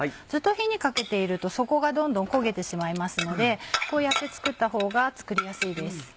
ずっと火にかけていると底がどんどん焦げてしまいますのでこうやって作ったほうが作りやすいです。